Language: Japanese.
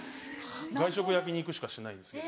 外食焼き肉しかしないんですよ